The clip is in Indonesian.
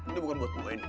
ini bukan buat gue ini